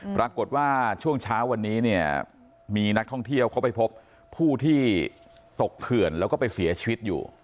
ปรากฏว่าช่วงเช้าวันนี้เนี่ยมีนักท่องเที่ยวเขาไปพบผู้ที่ตกเขื่อนแล้วก็ไปเสียชีวิตอยู่